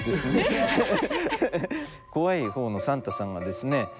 怖い方のサンタさんがですね